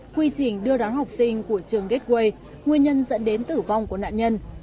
quy trình đưa đón học sinh của trường gateway nguyên nhân dẫn đến tử vong của nạn nhân